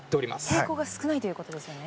抵抗が少ないということですよね？